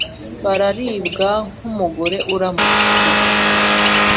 bararibwa nk’umugore uramutswe.